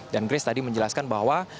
dan kris tadi menjelaskan bahwa